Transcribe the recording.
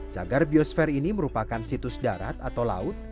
cagar biosfer ini merupakan situs darat atau laut